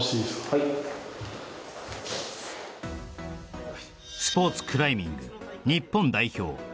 はいスポーツクライミング日本代表